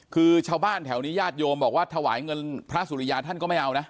คือชาวบ้านแถวนี้ญาติโยมบอกว่าถวายเงินพระสุริยาท่านก็ไม่เอานะ